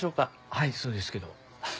はいそうですけど。